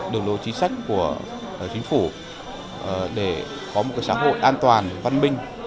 đường lộ chính sách của chính phủ để có một cái xã hội an toàn văn minh